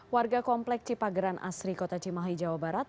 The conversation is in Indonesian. warga komplek cipageran asri kota cimahi jawa barat